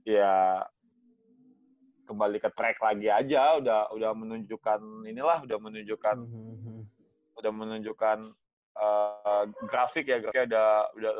ya kembali ke track lagi aja udah menunjukkan ini lah udah menunjukkan grafik ya